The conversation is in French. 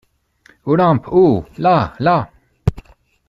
Olympe Oh ! là ! là !